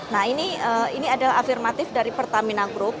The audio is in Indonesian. nah ini adalah afirmatif dari pertamina group